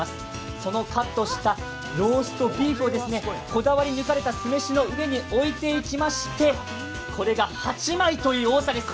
そのカットしたローストビーフをこだわり抜かれた酢飯の上に置いていきましてこれが８枚という多さです